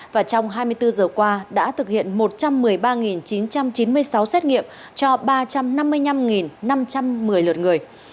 và trong hai mươi bốn giờ qua đã thực hiện một trăm một mươi ba chín trăm chín mươi sáu xét nghiệm cho ba trăm năm mươi năm năm trăm một mươi lượt người